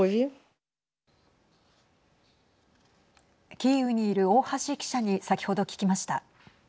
キーウにいる大橋記者に先ほど聞きました。